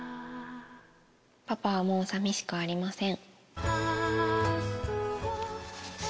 パパはもうさみしくありません。